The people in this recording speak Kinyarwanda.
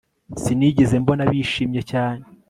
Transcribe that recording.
sinigeze mbona bishimye cyane